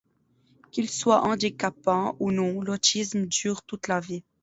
Qu'il soit handicapant ou non, l'autisme dure toute la vie.